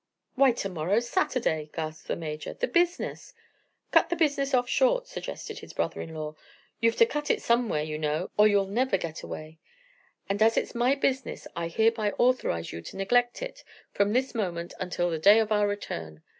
"Why, to morrow's Saturday!" gasped the Major. "The business " "Cut the business off short," suggested his brother in law. "You've to cut it somewhere, you know, or you'll never get away; and, as it's my business, I hereby authorize you to neglect it from this moment until the day of our return.